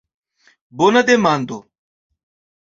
Bona demando.